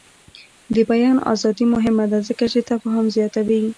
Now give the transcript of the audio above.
د بیان ازادي مهمه ده ځکه چې تفاهم زیاتوي.